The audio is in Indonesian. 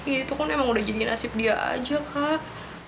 ya itu kan emang udah jadi nasib dia aja kak